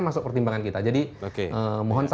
masuk pertimbangan kita jadi mohon